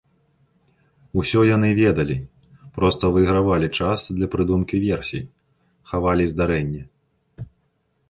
Усё яны ведалі, проста выйгравалі час для прыдумкі версій, хавалі здарэнне.